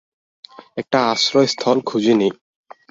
একটা আশ্রয়স্থল খুঁজে নিই।